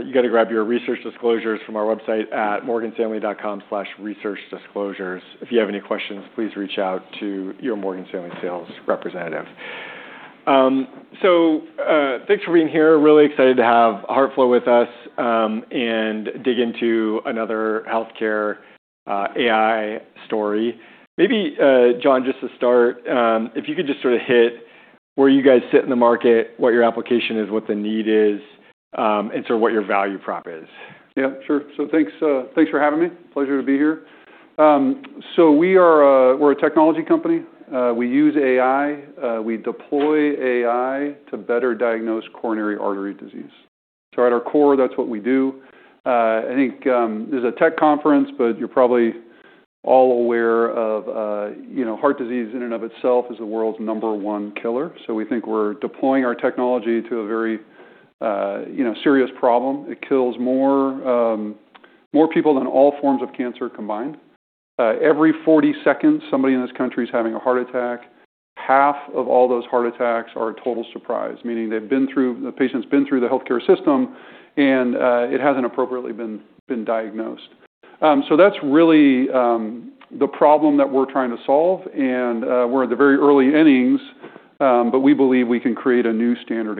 You got to grab your research disclosures from our website at morganstanley.com/researchdisclosures. If you have any questions, please reach out to your Morgan Stanley sales representative. Thanks for being here. Really excited to have HeartFlow with us, and dig into another healthcare AI story. Maybe, John, just to start, if you could just sort of hit where you guys sit in the market, what your application is, what the need is, and sort of what your value prop is. Yeah, sure. Thanks for having me. Pleasure to be here. We are a technology company. We use AI, we deploy AI to better diagnose coronary artery disease. At our core, that's what we do. I think, this is a tech conference, but you're probably all aware of, you know, heart disease in and of itself is the world's number one killer. We think we're deploying our technology to a very, you know, serious problem. It kills more people than all forms of cancer combined. Every 40 seconds, somebody in this country is having a heart attack. Half of all those heart attacks are a total surprise. Meaning the patient's been through the healthcare system and it hasn't appropriately been diagnosed. That's really the problem that we're trying to solve. We're at the very early innings, but we believe we can create a new standard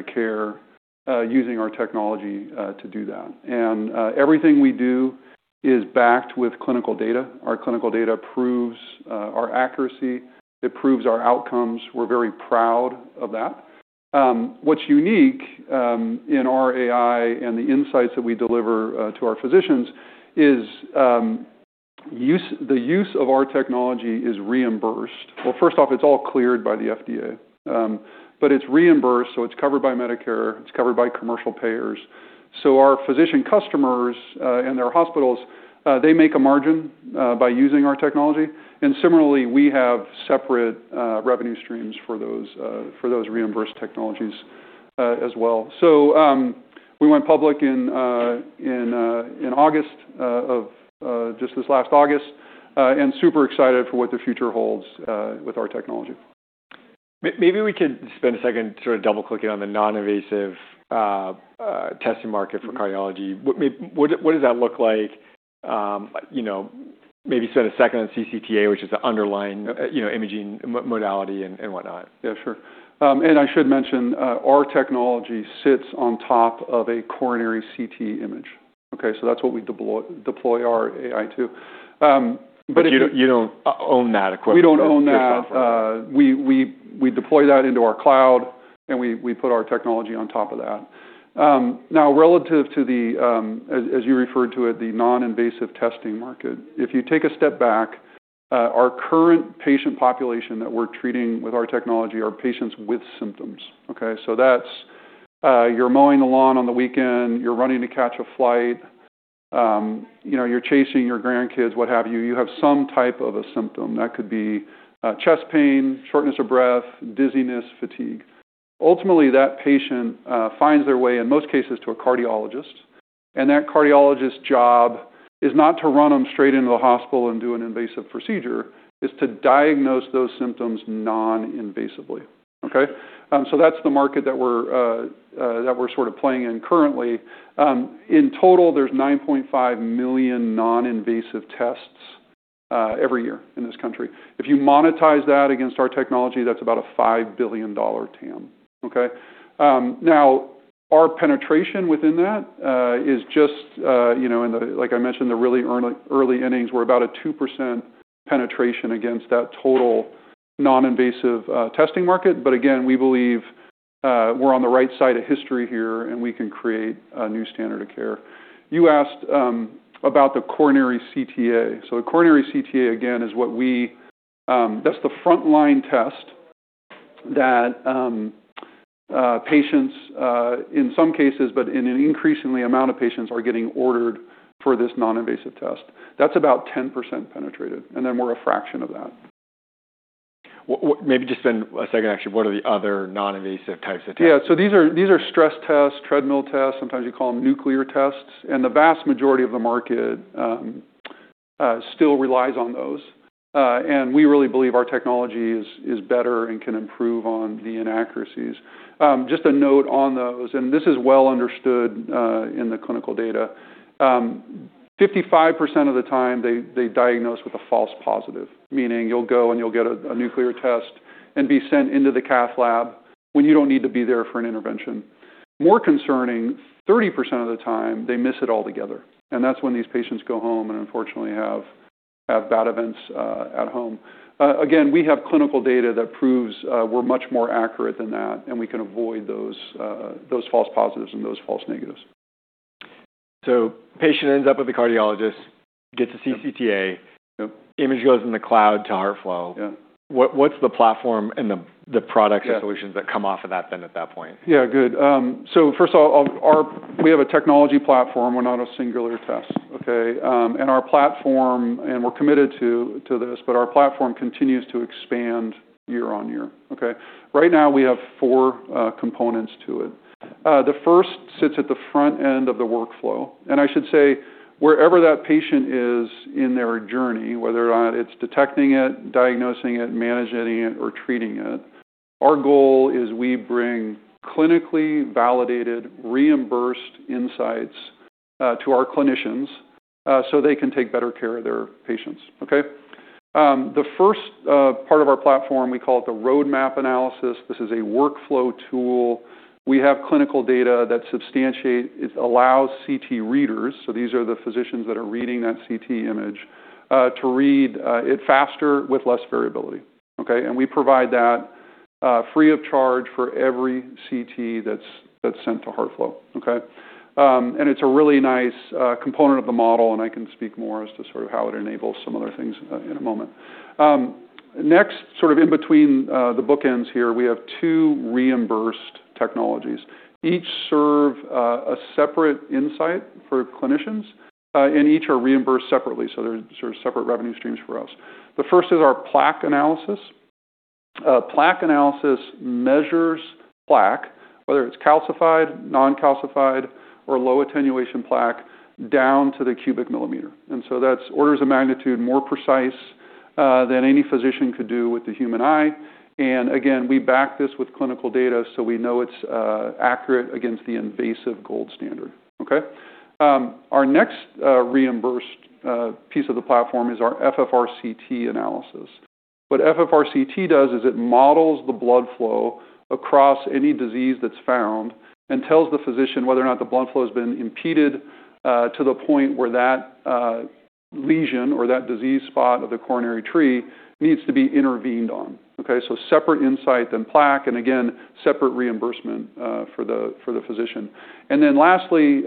of care using our HeartFlow technology to do that. Everything we do is backed with clinical data. Our clinical data proves our accuracy. It proves our outcomes. We're very proud of that. What's unique in our AI and the insights that we deliver to our physicians is the use of our HeartFlow technology is reimbursed. Well, first off, it's all cleared by the FDA. It's reimbursed, so it's covered by Medicare, it's covered by commercial payers. Our physician customers and their hospitals, they make a margin by using our HeartFlow technology. Similarly, we have separate revenue streams for those reimbursed technologies as well. We went public in August of just this last August, and super excited for what the future holds with our technology. Maybe we could spend a second sort of double-clicking on the non-invasive testing market for cardiology. What does that look like? You know, maybe spend a second on CCTA, which is the underlying, you know, imaging modality and whatnot. Yeah, sure. I should mention, our technology sits on top of a coronary CT image. Okay. That's what we deploy our AI to. if you- You don't own that equipment. We don't own that. We deploy that into our cloud, and we put our technology on top of that. Now, relative to the, as you referred to it, the non-invasive testing market, if you take a step back, our current patient population that we're treating with our technology are patients with symptoms. Okay? That's, you're mowing the lawn on the weekend, you're running to catch a flight, you know, you're chasing your grandkids, what have you. You have some type of a symptom that could be, chest pain, shortness of breath, dizziness, fatigue. Ultimately, that patient finds their way, in most cases, to a cardiologist, and that cardiologist's job is not to run them straight into the hospital and do an invasive procedure. It's to diagnose those symptoms non-invasively. Okay? That's the market that we're that we're sort of playing in currently. In total, there's 9.5 million non-invasive tests every year in this country. If you monetize that against our technology, that's about a $5 billion TAM. Okay? Now our penetration within that is just, you know, in the, like I mentioned, the really early innings. We're about a 2% penetration against that total non-invasive testing market. Again, we believe we're on the right side of history here, and we can create a new standard of care. You asked about the Coronary CTA. A Coronary CTA, again, is the frontline test that patients in some cases, but in an increasingly amount of patients, are getting ordered for this non-invasive test. That's about 10% penetrated, and then we're a fraction of that. Maybe just spend a second, actually, what are the other non-invasive types of tests? These are stress tests, treadmill tests. Sometimes you call them nuclear tests. The vast majority of the market still relies on those. We really believe our technology is better and can improve on the inaccuracies. Just a note on those, this is well understood in the clinical data. 55% of the time, they diagnose with a false positive, meaning you'll go and you'll get a nuclear test and be sent into the cath lab when you don't need to be there for an intervention. More concerning, 30% of the time, they miss it altogether, that's when these patients go home and unfortunately have bad events at home. Again, we have clinical data that proves, we're much more accurate than that. We can avoid those false positives and those false negatives. Patient ends up with a cardiologist, gets a CCTA. Yep. Image goes in the cloud to HeartFlow. Yeah. What's the platform and the products or solutions that come off of that then at that point? Yeah, good. First of all, we have a technology platform. We're not a singular test. Okay? Our platform, and we're committed to this, but our platform continues to expand year on year. Okay? Right now, we have four components to it. The first sits at the front end of the workflow, and I should say wherever that patient is in their journey, whether or not it's detecting it, diagnosing it, managing it, or treating it. Our goal is we bring clinically validated, reimbursed insights to our clinicians so they can take better care of their patients. Okay? The first part of our platform, we call it the RoadMap Analysis. This is a workflow tool. We have clinical data that substantiate... It allows CT readers, so these are the physicians that are reading that CT image, to read it faster with less variability. Okay? We provide that free of charge for every CT that's sent to HeartFlow. Okay? It's a really nice component of the model, and I can speak more as to sort of how it enables some other things in a moment. Next, sort of in between the bookends here, we have two reimbursed technologies. Each serve a separate insight for clinicians, and each are reimbursed separately, so they're sort of separate revenue streams for us. The first is our Plaque Analysis. Plaque Analysis measures plaque, whether it's calcified, non-calcified, or low-attenuation plaque, down to the cubic millimeter, and so that's orders of magnitude more precise than any physician could do with the human eye. Again, we back this with clinical data, so we know it's accurate against the invasive gold standard. Okay? Our next reimbursed piece of the platform is our FFRCT Analysis. What FFRCT does is it models the blood flow across any disease that's found and tells the physician whether or not the blood flow has been impeded to the point where that lesion or that disease spot of the coronary tree needs to be intervened on. Okay? Separate insight than plaque, and again, separate reimbursement for the physician. Lastly,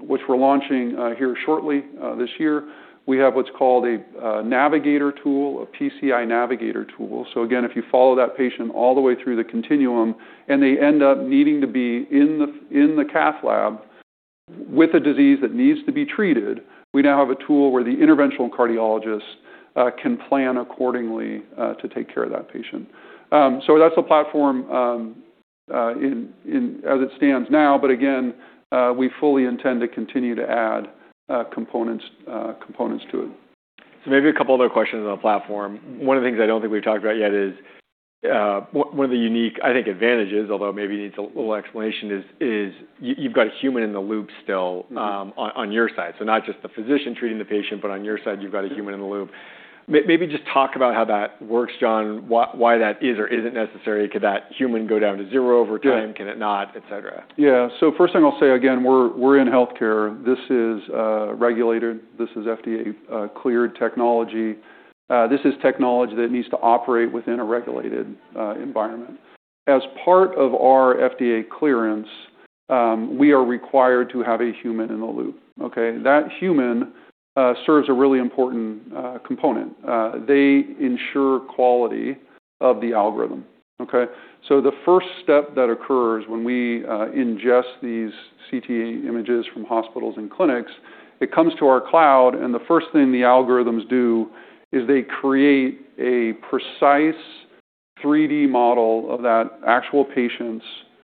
which we're launching here shortly this year, we have what's called a navigator tool, a PCI navigator tool. Again, if you follow that patient all the way through the continuum, and they end up needing to be in the cath lab with a disease that needs to be treated, we now have a tool where the interventional cardiologist can plan accordingly to take care of that patient. That's the platform in as it stands now, but again, we fully intend to continue to add components to it. Maybe a couple other questions on the platform. One of the things I don't think we've talked about yet is one of the unique, I think, advantages, although maybe it needs a little explanation, is you've got a human in the loop still. Mm-hmm... on your side. Not just the physician treating the patient, but on your side you've got a human in the loop. Maybe just talk about how that works, John, why that is or isn't necessary. Could that human go down to zero over time? Yeah. Can it not, et cetera? Yeah. First thing I'll say again, we're in healthcare. This is regulated. This is FDA cleared technology. This is technology that needs to operate within a regulated environment. As part of our FDA clearance, we are required to have a human in the loop. Okay? That human serves a really important component. They ensure quality of the algorithm. Okay? The first step that occurs when we ingest these CT images from hospitals and clinics, it comes to our cloud, and the first thing the algorithms do is they create a precise 3D model of that actual patient's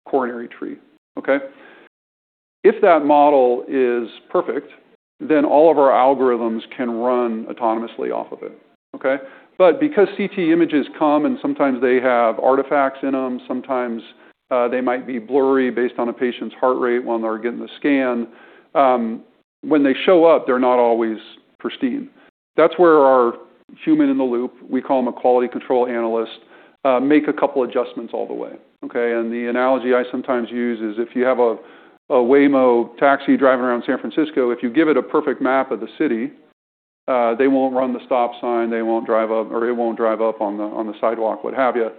coronary tree. Okay? If that model is perfect, then all of our algorithms can run autonomously off of it. Okay? Because CT images come, and sometimes they have artifacts in them, sometimes, they might be blurry based on a patient's heart rate when they're getting the scan, when they show up, they're not always pristine. That's where our human in the loop, we call them a quality control analyst, make a couple adjustments all the way. Okay? The analogy I sometimes use is if you have a Waymo taxi driving around San Francisco, if you give it a perfect map of the city, they won't run the stop sign, they won't drive up, or it won't drive up on the sidewalk, what have you.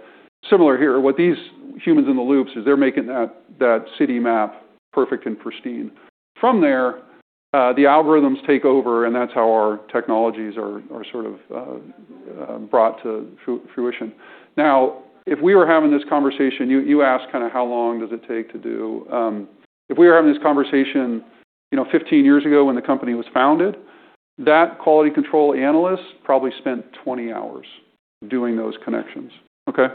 Similar here. What these humans in the loops is they're making that city map perfect and pristine. From there, the algorithms take over, and that's how our technologies are sort of brought to fruition. If we were having this conversation, you asked kinda how long does it take to do. If we were having this conversation, you know, 15 years ago when the company was founded, that quality control analyst probably spent 20 hours doing those connections. Okay?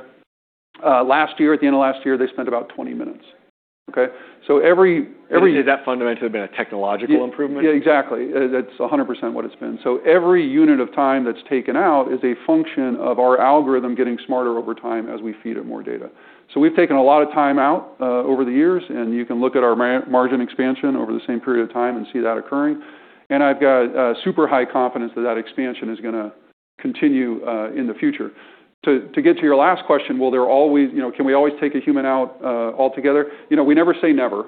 Last year, at the end of last year, they spent about 20 minutes. Okay? Every Is that fundamentally been a technological improvement? Yeah. Exactly. That's 100% what it's been. Every unit of time that's taken out is a function of our algorithm getting smarter over time as we feed it more data. We've taken a lot of time out over the years, and you can look at our margin expansion over the same period of time and see that occurring. I've got super high confidence that that expansion is gonna continue in the future. To get to your last question, will there always, you know, can we always take a human out altogether? You know, we never say never.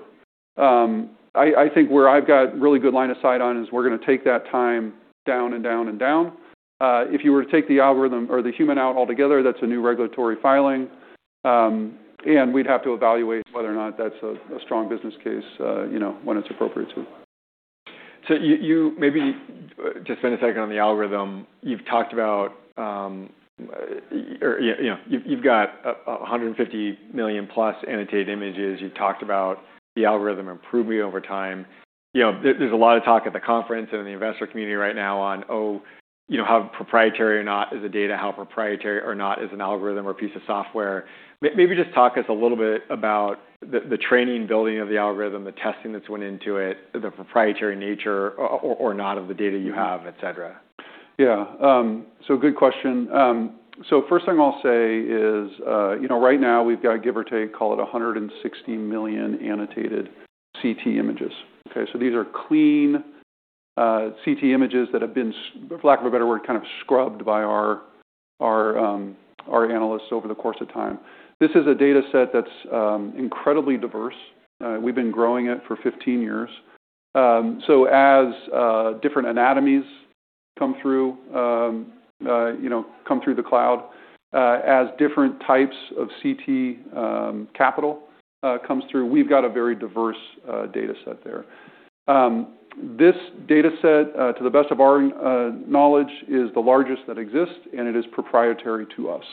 I think where I've got really good line of sight on is we're gonna take that time down and down and down. If you were to take the algorithm or the human out altogether, that's a new regulatory filing, and we'd have to evaluate whether or not that's a strong business case, you know, when it's appropriate to. You maybe just spend a second on the algorithm. You've talked about, you know, you've got a 150 million-plus annotated images. You've talked about the algorithm improving over time. You know, there's a lot of talk at the conference and in the investor community right now on, you know, how proprietary or not is the data, how proprietary or not is an algorithm or a piece of software. Maybe just talk us a little bit about the training and building of the algorithm, the testing that's went into it, the proprietary nature or not of the data you have, et cetera. Yeah. Good question. First thing I'll say is, you know, right now we've got, give or take, call it 160 million annotated CT images, okay. These are clean CT images that have been for lack of a better word, kind of scrubbed by our analysts over the course of time. This is a data set that's incredibly diverse. We've been growing it for 15 years. As different anatomies come through, you know, come through the cloud, as different types of CT capital comes through, we've got a very diverse data set there. This data set, to the best of our knowledge, is the largest that exists, and it is proprietary to us.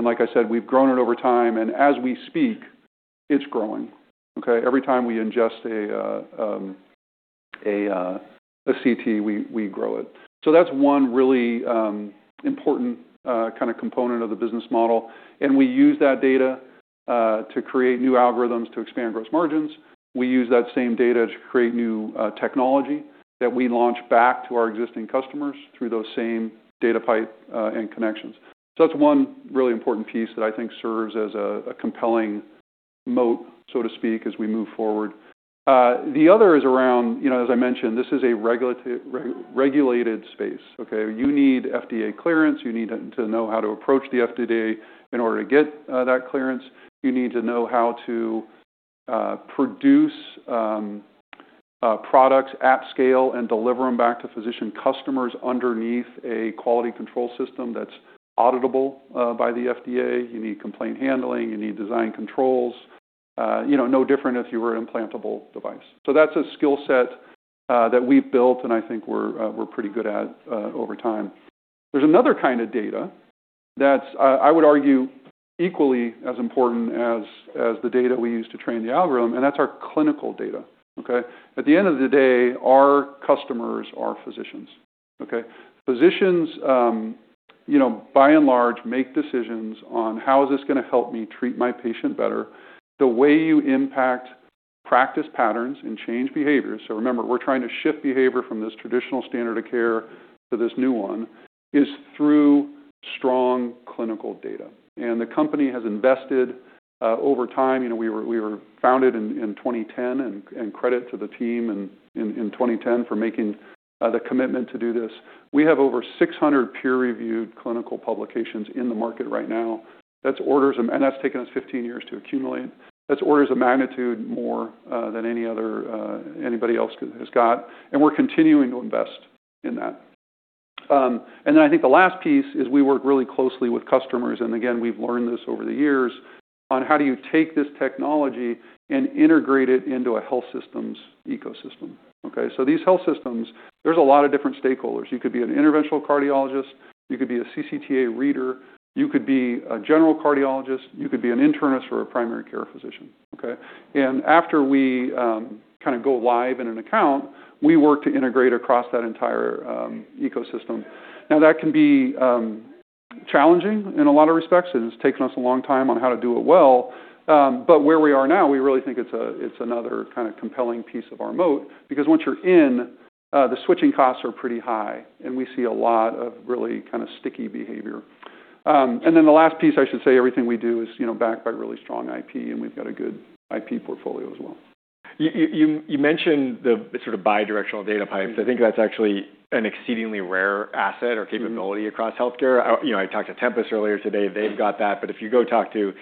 Like I said, we've grown it over time, and as we speak, it's growing, okay? Every time we ingest a CT, we grow it. That's one really important kind of component of the business model, and we use that data to create new algorithms to expand gross margins. We use that same data to create new technology that we launch back to our existing customers through those same data pipe and connections. That's one really important piece that I think serves as a compelling moat, so to speak, as we move forward. The other is around, you know, as I mentioned, this is a re-regulated space, okay? You need FDA clearance. You need to know how to approach the FDA in order to get that clearance. You need to know how to produce products at scale and deliver them back to physician customers underneath a quality control system that's auditable by the FDA. You need complaint handling. You need design controls. You know, no different if you were an implantable device. That's a skill set that we've built, and I think we're pretty good at over time. There's another kind of data that's I would argue equally as important as the data we use to train the algorithm. That's our clinical data, okay? At the end of the day, our customers are physicians, okay? Physicians, you know, by and large, make decisions on, "How is this gonna help me treat my patient better?" The way you impact practice patterns and change behaviors, remember, we're trying to shift behavior from this traditional standard of care to this new one, is through strong clinical data. The company has invested over time. You know, we were founded in 2010, and credit to the team in 2010 for making the commitment to do this. We have over 600 peer-reviewed clinical publications in the market right now. That's taken us 15 years to accumulate. That's orders of magnitude more than any other, anybody else has got, and we're continuing to invest in that. I think the last piece is we work really closely with customers, and again, we've learned this over the years, on how do you take this technology and integrate it into a health systems ecosystem, okay? These health systems, there's a lot of different stakeholders. You could be an interventional cardiologist. You could be a CCTA reader. You could be a general cardiologist. You could be an internist or a primary care physician, okay? After we, kinda go live in an account, we work to integrate across that entire ecosystem. That can be challenging in a lot of respects, and it's taken us a long time on how to do it well. Where we are now, we really think it's a, it's another kinda compelling piece of our moat because once you're in, the switching costs are pretty high, and we see a lot of really kinda sticky behavior. Then the last piece, I should say, everything we do is, you know, backed by really strong IP, and we've got a good IP portfolio as well. You mentioned the sort of bi-directional data pipes. Mm-hmm. I think that's actually an exceedingly rare asset or capability. Mm-hmm. across healthcare. You know, I talked to Tempus earlier today. They've got that. If you go talk to,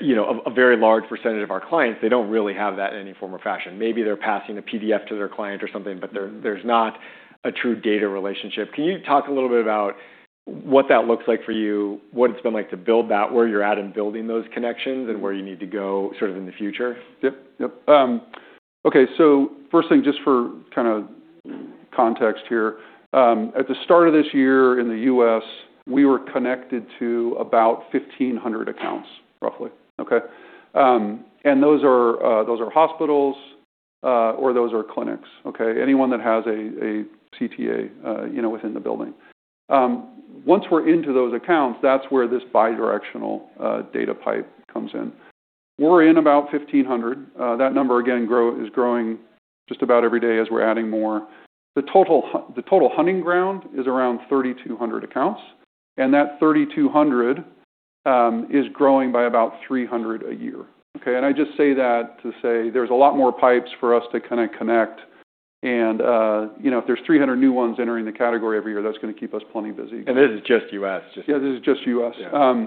you know, a very large percentage of our clients, they don't really have that in any form or fashion. Maybe they're passing a PDF to their client or something, but there's not a true data relationship. Can you talk a little bit about what that looks like for you? What it's been like to build that, where you're at in building those connections, and where you need to go sort of in the future? Yep. Yep. Okay, first thing, just for kind of context here, at the start of this year in the U.S., we were connected to about 1,500 accounts roughly, okay? Those are hospitals, or those are clinics, okay? Anyone that has a CTA, you know, within the building. Once we're into those accounts, that's where this bi-directional data pipe comes in. We're in about 1,500. That number again is growing just about every day as we're adding more. The total hunting ground is around 3,200 accounts, and that 3,200 is growing by about 300 a year, okay? I just say that to say there's a lot more pipes for us to kinda connect, and, you know, if there's 300 new ones entering the category every year, that's gonna keep us plenty busy. This is just U.S. Yeah, this is just U.S. Yeah.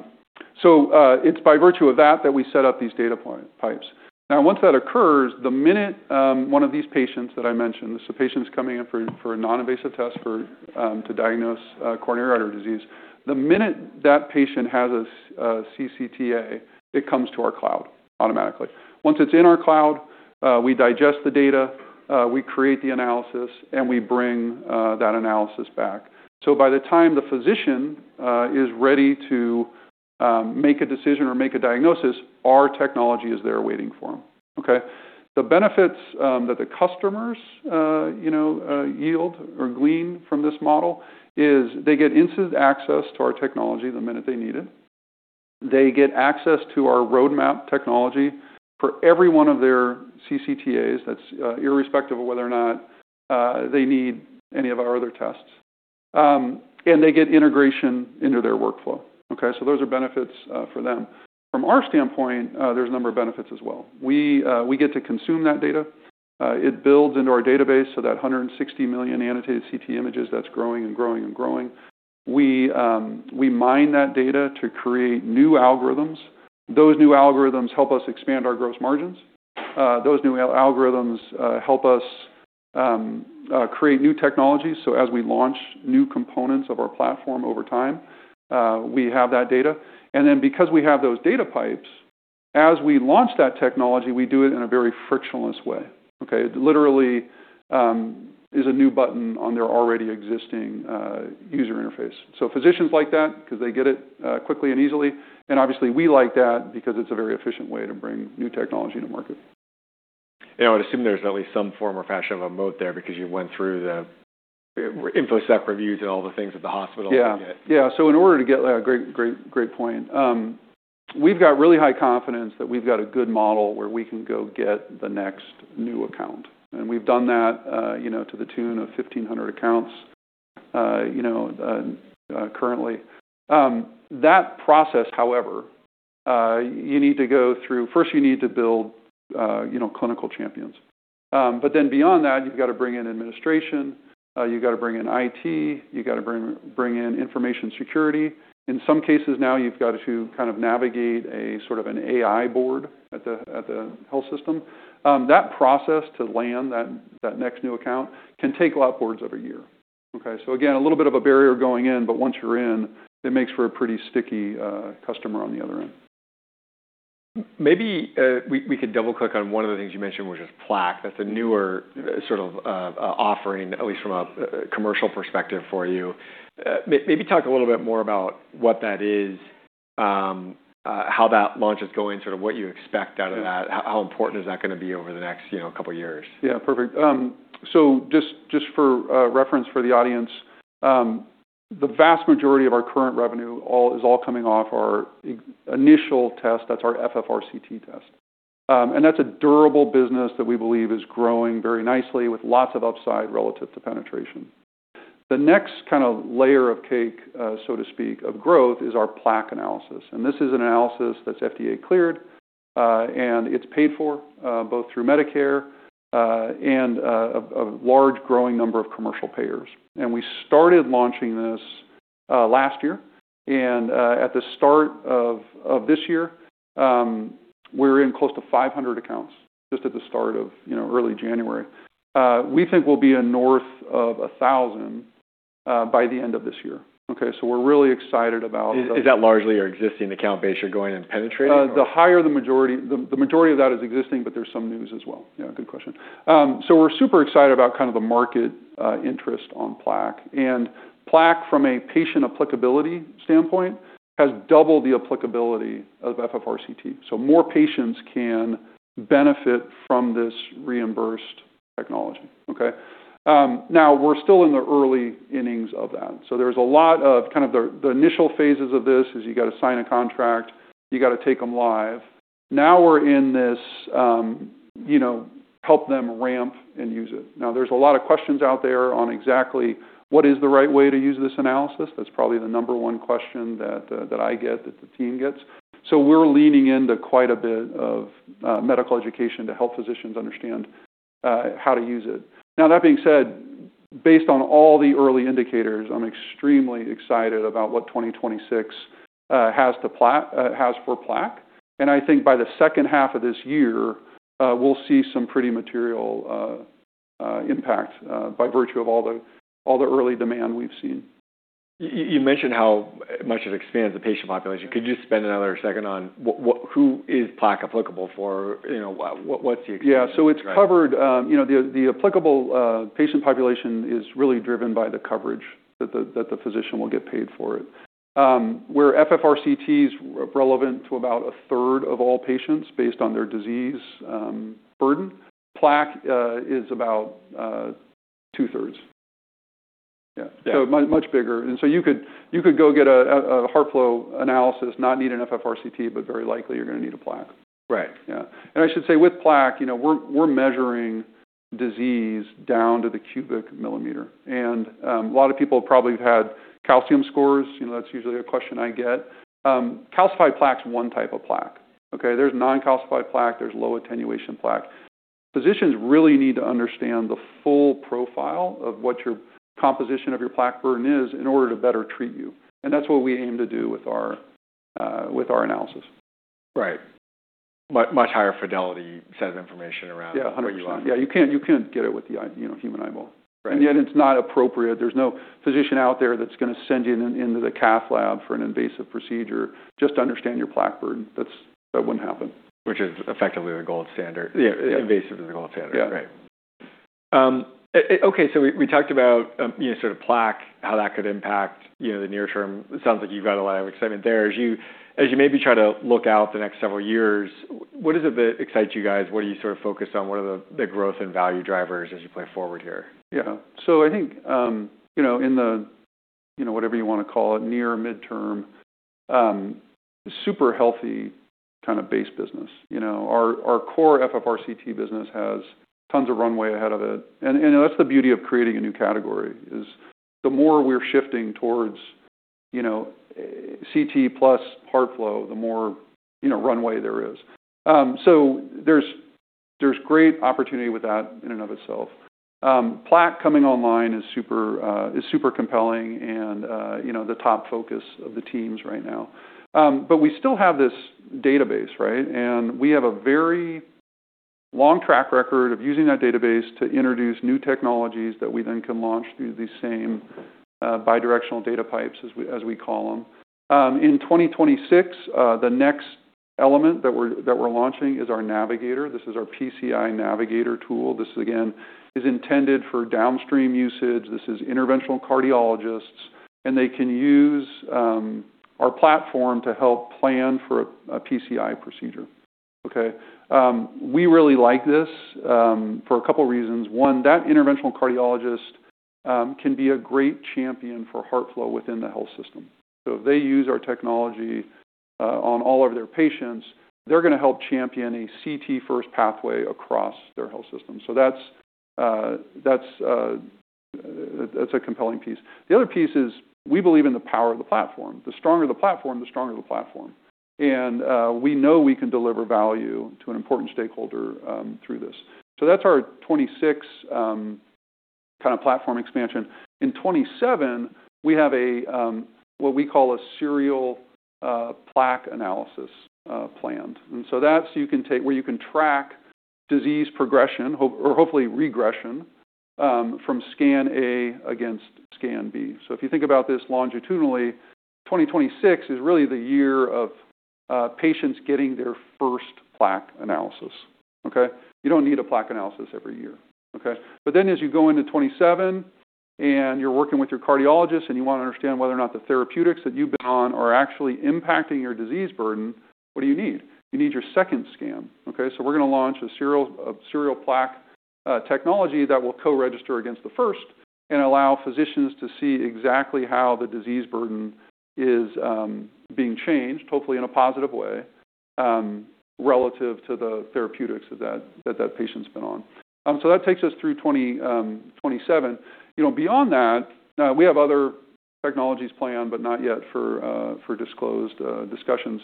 It's by virtue of that that we set up these data pipes. Once that occurs, the minute one of these patients that I mentioned, this is patients coming in for a non-invasive test for to diagnose coronary artery disease, the minute that patient has a CCTA, it comes to our cloud automatically. Once it's in our cloud, we digest the data, we create the analysis, and we bring that analysis back. By the time the physician is ready to make a decision or make a diagnosis, our technology is there waiting for them, okay? The benefits, that the customers, you know, yield or glean from this model is they get instant access to our technology the minute they need it. They get access to our RoadMap technology for every one of their CCTAs. That's irrespective of whether or not, they need any of our other tests. They get integration into their workflow. Okay. Those are benefits for them. From our standpoint, there's a number of benefits as well. We get to consume that data. It builds into our database, so that 160 million annotated CT images that's growing and growing and growing. We mine that data to create new algorithms. Those new algorithms help us expand our gross margins. Those new algorithms help us create new technologies. As we launch new components of our platform over time, we have that data. Because we have those data pipes, as we launch that technology, we do it in a very frictionless way, okay? Literally, there's a new button on their already existing user interface. Physicians like that because they get it quickly and easily, and obviously we like that because it's a very efficient way to bring new technology to market. You know, I'd assume there's at least some form or fashion of a moat there because you went through the InfoSec reviews and all the things that the hospital would get. Yeah. Yeah. In order to get. Great, great point. We've got really high confidence that we've got a good model where we can go get the next new account, and we've done that, you know, to the tune of 1,500 accounts, you know, currently. That process, however, you need to go through. First you need to build, you know, clinical champions. Beyond that, you've got to bring in administration, you've got to bring in IT, you've got to bring in information security. In some cases now you've got to kind of navigate a sort of an AI board at the, at the health system. That process to land that next new account can take upwards of a year. Okay? Again, a little bit of a barrier going in, but once you're in, it makes for a pretty sticky customer on the other end. Maybe, we could double-click on one of the things you mentioned, which is plaque. That's a newer sort of offering, at least from a commercial perspective for you. Maybe talk a little bit more about what that is, how that launch is going, sort of what you expect out of that? How important is that gonna be over the next, you know, couple of years? Yeah, perfect. Just for reference for the audience, the vast majority of our current revenue is all coming off our initial test, that's our FFRCT test. That's a durable business that we believe is growing very nicely with lots of upside relative to penetration. The next kind of layer of cake, so to speak, of growth is our Plaque Analysis. This is an analysis that's FDA cleared, and it's paid for both through Medicare and a large growing number of commercial payers. We started launching this last year. At the start of this year, we're in close to 500 accounts just at the start of, you know, early January. We think we'll be in north of 1,000 by the end of this year. Okay? We're really excited. Is that largely your existing account base you're going and penetrating or? The majority of that is existing, but there's some news as well. Yeah, good question. We're super excited about kind of the market interest on plaque. Plaque, from a patient applicability standpoint, has double the applicability of FFRCT. More patients can benefit from this reimbursed technology. Okay? Now we're still in the early innings of that. Kind of the initial phases of this is you got to sign a contract, you got to take them live. Now we're in this, you know, help them ramp and use it. Now, there's a lot of questions out there on exactly what is the right way to use this analysis. That's probably the number one question that I get, that the team gets. We're leaning into quite a bit of medical education to help physicians understand how to use it. Now, that being said, based on all the early indicators, I'm extremely excited about what 2026 has for Plaque, I think by the second half of this year, we'll see some pretty material impact by virtue of all the early demand we've seen. You mentioned how much it expands the patient population. Could you spend another second on who is plaque applicable for? You know, what's the expansion? Yeah. It's covered. You know, the applicable patient population is really driven by the coverage that the physician will get paid for it. Where FFRCT is relevant to about a third of all patients based on their disease burden, plaque is about two-thirds. Yeah. Yeah. Much bigger. You could go get a HeartFlow analysis, not need an FFRCT, but very likely you're gonna need a Plaque. Right. Yeah. I should say with plaque, you know, we're measuring disease down to the cubic millimeter. A lot of people probably have had calcium scores. You know, that's usually a question I get. Calcified plaque is one type of plaque, okay. There's non-calcified plaque, there's low-attenuation plaque. Physicians really need to understand the full profile of what your composition of your plaque burden is in order to better treat you, and that's what we aim to do with our analysis. Right. Much, much higher fidelity set of information around what you want. Yeah, 100%. Yeah, you can't get it with, you know, human eyeball. Right. Yet it's not appropriate. There's no physician out there that's gonna send you into the cath lab for an invasive procedure just to understand your plaque burden. That wouldn't happen. Which is effectively the gold standard. Yeah. Invasive is the gold standard. Yeah. Okay. We talked about, you know, sort of plaque, how that could impact, you know, the near-term. It sounds like you've got a lot of excitement there. As you maybe try to look out the next several years, what is it that excites you guys? What are you sort of focused on? What are the growth and value drivers as you play forward here? Yeah. I think, you know, in the near midterm, super healthy kind of base business. You know, our core FFRCT business has tons of runway ahead of it, and, you know, that's the beauty of creating a new category is the more we're shifting towards, you know, CT plus HeartFlow, the more, you know, runway there is. There's great opportunity with that in and of itself. Plaque coming online is super compelling and, you know, the top focus of the teams right now. We still have this database, right? We have a very long track record of using that database to introduce new technologies that we then can launch through the same bi-directional data pipes as we call them. In 2026, the next element that we're launching is our Heartflow PCI Navigator. This is our Heartflow PCI Navigator tool. This, again, is intended for downstream usage. This is interventional cardiologists, they can use our platform to help plan for a PCI procedure. Okay? We really like this for a couple reasons. One, that interventional cardiologist can be a great champion for HeartFlow within the health system. If they use our technology on all of their patients, they're gonna help champion a CT first pathway across their health system. That's a compelling piece. The other piece is we believe in the power of the platform. The stronger the platform, the stronger the platform. We know we can deliver value to an important stakeholder through this. That's our 26, kinda platform expansion. In 27, we have a what we call a serial Plaque Analysis planned. That's where you can track disease progression, or hopefully regression, from scan A against scan B. If you think about this longitudinally, 2026 is really the year of patients getting their first Plaque Analysis. Okay? You don't need a Plaque Analysis every year. Okay? As you go into 27 and you're working with your cardiologist, and you wanna understand whether or not the therapeutics that you've been on are actually impacting your disease burden, what do you need? You need your second scan. Okay? We're gonna launch a serial plaque technology that will co-register against the first and allow physicians to see exactly how the disease burden is being changed, hopefully in a positive way, relative to the therapeutics that that patient's been on. That takes us through 2027. You know, beyond that, we have other technologies planned, but not yet for disclosed discussions.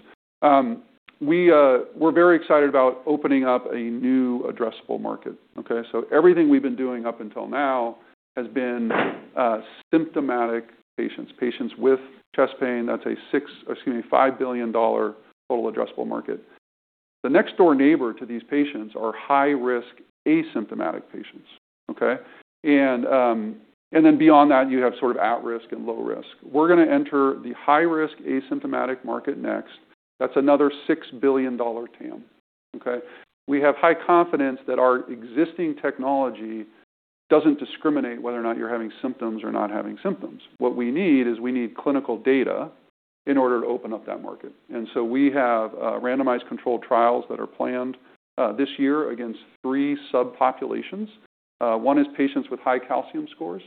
We're very excited about opening up a new addressable market. Okay? Everything we've been doing up until now has been symptomatic patients with chest pain. That's a six-- excuse me, $5 billion total addressable market. The next door neighbor to these patients are high-risk asymptomatic patients. Okay? Then beyond that, you have sort of at risk and low risk. We're gonna enter the high-risk asymptomatic market next. That's another $6 billion TAM. Okay? We have high confidence that our existing technology doesn't discriminate whether or not you're having symptoms or not having symptoms. What we need is we need clinical data in order to open up that market. We have randomized controlled trials that are planned this year against three subpopulations. One is patients with high calcium scores.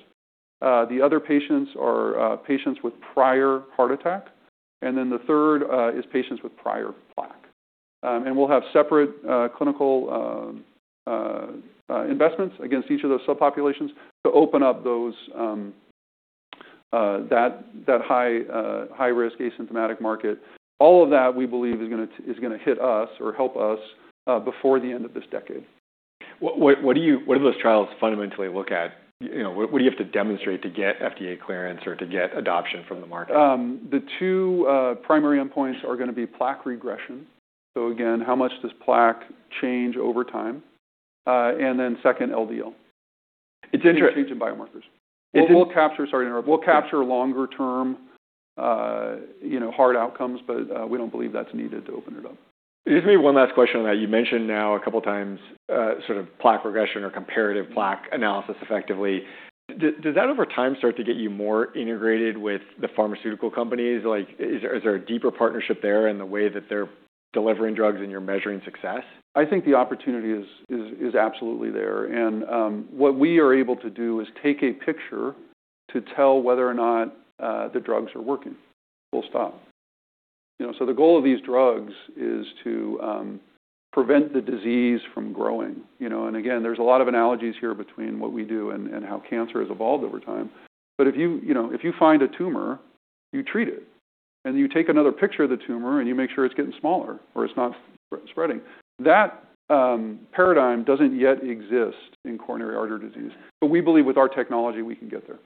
The other patients are patients with prior heart attack, and then the third is patients with prior plaque. And we'll have separate clinical investments against each of those subpopulations to open up that high-risk asymptomatic market. All of that, we believe, is gonna hit us or help us before the end of this decade. What do those trials fundamentally look at? You know, what do you have to demonstrate to get FDA clearance or to get adoption from the market? The two primary endpoints are gonna be plaque regression, so again, how much does plaque change over time, and then second, LDL. It's intere- Change in biomarkers. It's in- We'll capture. Sorry to interrupt. Yeah. We'll capture longer-term, you know, hard outcomes, but we don't believe that's needed to open it up. Just maybe one last question on that. You mentioned now a couple times, sort of plaque regression or comparative Plaque Analysis effectively. Does that over time start to get you more integrated with the pharmaceutical companies? Like, is there a deeper partnership there in the way that they're delivering drugs and you're measuring success? I think the opportunity is absolutely there, and what we are able to do is take a picture to tell whether or not the drugs are working. Full stop. You know, the goal of these drugs is to prevent the disease from growing, you know. Again, there's a lot of analogies here between what we do and how cancer has evolved over time. If you know, if you find a tumor, you treat it, and you take another picture of the tumor, and you make sure it's getting smaller or it's not spreading. That paradigm doesn't yet exist in coronary artery disease. We believe with our technology we can get there.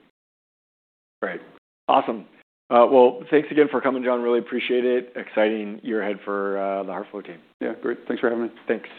Right. Awesome. Well, thanks again for coming, John. Really appreciate it. Exciting year ahead for the HeartFlow team. Yeah. Great. Thanks for having me. Thanks.